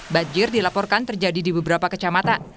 banjir dilaporkan terjadi di beberapa kecamatan